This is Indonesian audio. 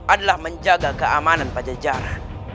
adalah menjaga keamanan pajajaran